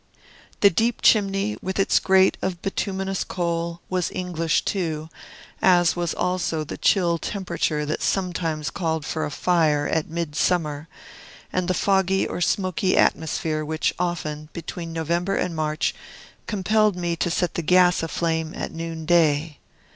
The deep chimney, with its grate of bituminous coal, was English too, as was also the chill temperature that sometimes called for a fire at midsummer, and the foggy or smoky atmosphere which often, between November and March, compelled me to set the gas aflame at noonday.